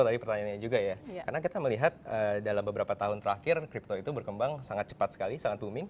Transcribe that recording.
karena kita melihat dalam beberapa tahun terakhir kripto itu berkembang sangat cepat sekali sangat booming